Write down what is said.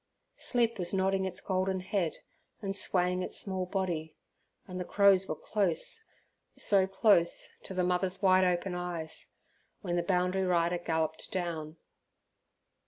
Sleep was nodding its golden head and swaying its small body, and the crows were close, so close, to the mother's wide open eyes, when the boundary rider galloped down.